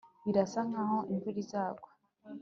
birasa nkaho imvura izagwa